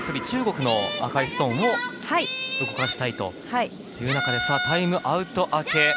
中国の赤いストーンを動かしたいという中でタイムアウト明け